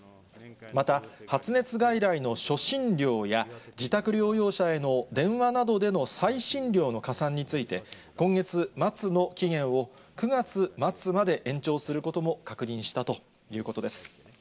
また発熱外来の初診料や、自宅療養者への電話などでの再診料の加算について、今月末の期限を、９月末まで延長することも確認したということです。